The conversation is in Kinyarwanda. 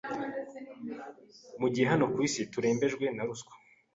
mu gihe hano ku isi turembejwe na ruswa